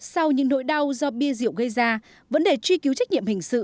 sau những nỗi đau do bia rượu gây ra vấn đề truy cứu trách nhiệm hình sự